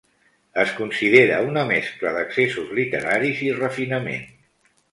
Es considera una mescla d'excessos literaris i refinament.